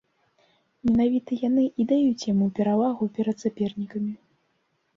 Менавіта яны і даюць яму перавагу перад сапернікамі.